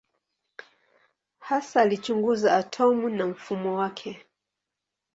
Hasa alichunguza atomu na mfumo wake.